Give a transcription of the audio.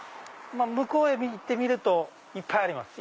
向こうへ行ってみるといっぱいあります